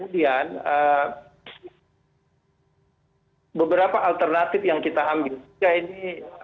dan beberapa alternatif yang kita ambil juga ini